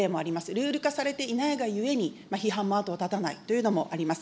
ルール化されていないがゆえに、批判も後を絶たないというのもあります。